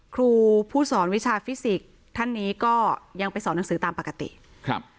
ครูผู้สอนวิชาฟิสิกส์ท่านนี้ก็ยังไปสอนหนังสือตามปกติครับ